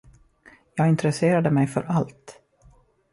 Jag intresserade mig för allt.